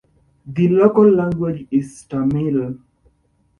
The local language is Tamil.